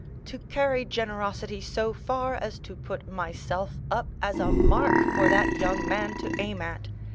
—to carry generosity so far as to put myself up as a mark for that young man to aim at.